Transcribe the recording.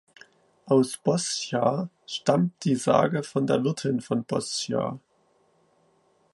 Aus Bos-cha stammt die Sage von der Wirtin von Bos-cha.